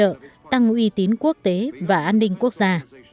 tổ chức hiệp ước đông nam á đang ngu y tín quốc tế và an ninh quốc gia